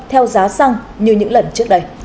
theo giá xăng như những lần trước đây